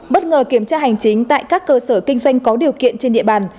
bất ngờ kiểm tra hành chính tại các cơ sở kinh doanh có điều kiện trên địa bàn